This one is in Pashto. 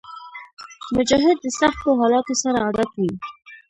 مجاهد د سختو حالاتو سره عادت وي.